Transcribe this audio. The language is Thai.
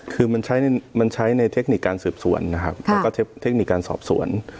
คือมันใช้มันใช้ในเทคนิคการสืบสวนนะครับแล้วก็เทคนิคการสอบสวน